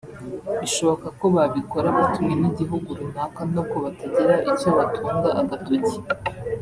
bishoboka ko babikora batumwe n’igihugu runaka nubwo batagira icyo batunga agatoki